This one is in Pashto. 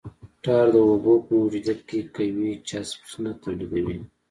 ټار د اوبو په موجودیت کې قوي چسپش نه تولیدوي